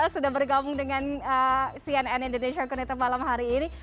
sudah bergabung dengan cnn indonesia connected malam hari ini